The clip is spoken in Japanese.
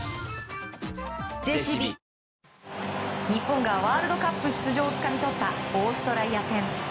日本がワールドカップ出場をつかみ取ったオーストラリア戦。